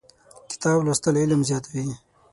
کتاب لوستل علم زیاتوي.